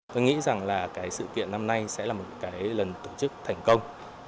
tôi nghĩ rằng sự kiện năm nay sẽ là một lần tổ chức thành công